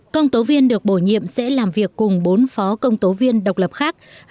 công tố viên được bổ nhiệm sẽ làm việc cùng bốn phó công tố viên độc lập khác